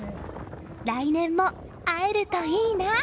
来年も会えるといいな！